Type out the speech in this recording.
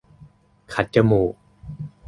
คัดจมูก